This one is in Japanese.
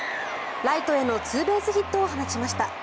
ライトへのツーベースヒットを放ちました。